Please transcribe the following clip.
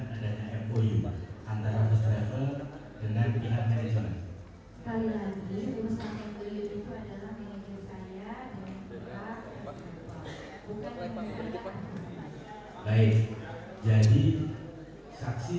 sekali lagi bapak ya bapak benar benar tidak ada honor sama sekali